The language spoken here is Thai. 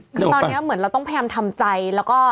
คือตอนนี้เหมือนเราต้องพยายามทำใจแล้วก็